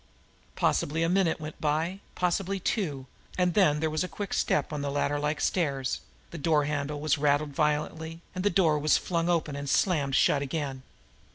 Possibly a minute went by, possibly two, and then there was a quick step on the ladder like stairs, the door handle was rattled violently, and the door was flung open and slammed shut again.